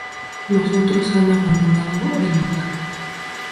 Los otros han abandonado el hogar.